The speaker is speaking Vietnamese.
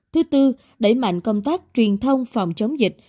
thứ tư đẩy mạnh công tác truyền thông phòng chống dịch